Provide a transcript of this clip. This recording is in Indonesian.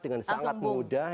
dengan sangat mudah